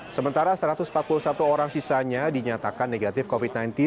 sementara satu ratus empat puluh satu orang sisanya dinyatakan negatif covid sembilan belas